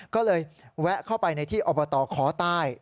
ก็เลยแวะเข้าไปในที่อบตค้อใต้